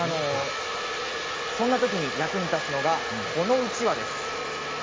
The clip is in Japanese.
そんなときに役に立つのがこのうちわです。